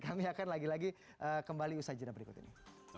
kami akan lagi lagi kembali usai jenama berikut ini